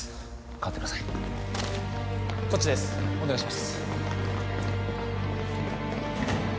代わってくださいこっちですお願いします